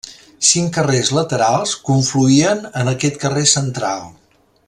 Cinc carrers laterals confluïen en aquest carrer central.